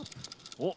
おっ。